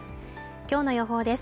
今日の予報です